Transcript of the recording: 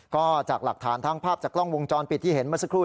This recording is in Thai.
ก็จากหลักฐานทั้งภาพจากกล้องวงจรปิดที่เห็นเมื่อสักครู่